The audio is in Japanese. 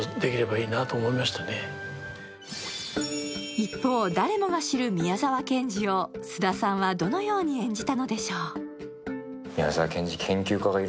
一方、誰もが知る宮沢賢治を菅田さんはどのように演じたのでしょう？